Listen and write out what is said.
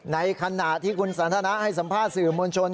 ในขณะที่คุณสันทนาให้สัมภาษณ์สื่อมวลชน